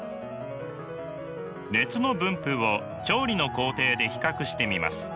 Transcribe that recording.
熱の分布を調理の工程で比較してみます。